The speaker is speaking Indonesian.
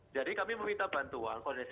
jadi kami meminta bantuan koordinasi